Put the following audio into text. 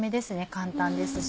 簡単ですし。